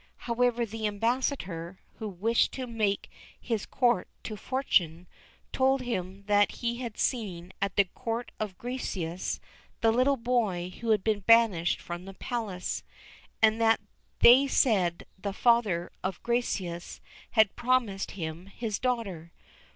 However, the ambassador, who wished to make his court to Fortuné, told him that he had seen at the Court of Gracieuse the little boy who had been banished from the Palace, and that they said the father of Gracieuse had promised him his daughter.